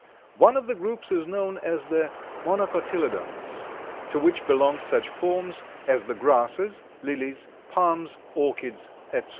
One of the groups is known as the Monocotyledons, to which belong such forms as the grasses, lilies, palms, orchids, etc.